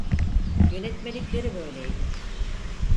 Yönetmelikleri böyleydi.